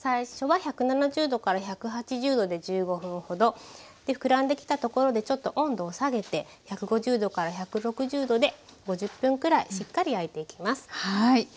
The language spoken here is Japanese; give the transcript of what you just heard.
最初は１７０１８０℃で１５分ほど膨らんできたところでちょっと温度を下げて１５０１６０℃で５０分くらいしっかり焼いていきます。